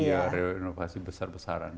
iya renovasi besar besaran